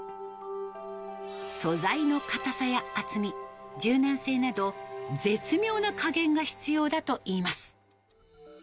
素材の硬さや厚み、柔軟性など、絶妙な加減が必要だといいます。